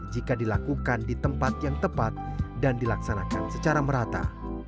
jika dilakukan di tempat yang tepat dan dilaksanakan secara merata